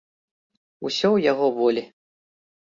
Усё ў яго волі.